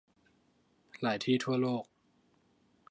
หลายที่ทั่วโลก